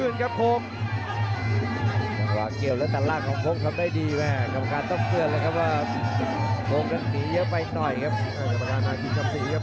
นะครับหนายขวาของเผ็ดดำอออดการตัดทิ้งอีกแล้วครับ